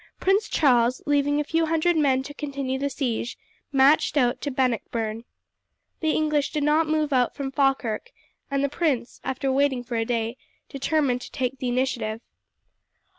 Prince Charles, leaving a few hundred men to continue the siege, matched out to Bannockburn. The English did not move out from Falkirk, and the prince, after waiting for a day, determined to take the initiative.